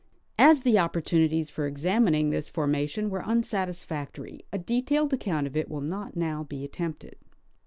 As the opportunities for examining; this formation were unsatis factor}^, a detailed account of it will not now be attempted.